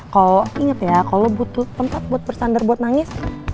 kalo inget ya kalo lo butuh tempat buat bersandar buat nangis